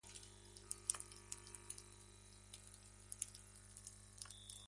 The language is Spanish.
La respuesta se da a Galicia, no al lector ni al poeta.